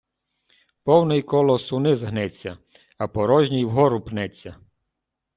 Повний колос униз гнеться, а порожній вгору пнеться.